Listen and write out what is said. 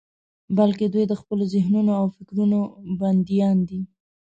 بلکې دوی د خپلو ذهنيتونو او فکرونو بندیان دي.